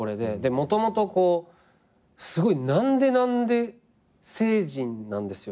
もともとすごい何で何で星人なんですよ。